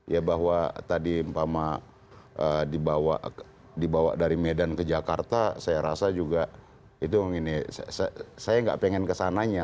ya bahwa tadi mpama dibawa dari medan ke jakarta saya rasa juga itu ini saya nggak pengen kesananya